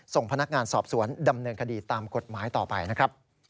ส่งพนักงานสอบสวนดำเนินคดีตามกฎหมายต่อไปนะครับ